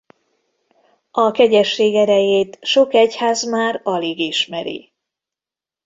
A kegyesség erejét sok egyház már alig ismeri.